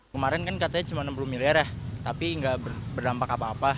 kemarin kan katanya cuma enam puluh miliar ya tapi nggak berdampak apa apa